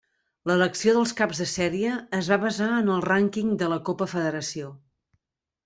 L'elecció dels caps de sèrie es va basar en el rànquing de la Copa Federació.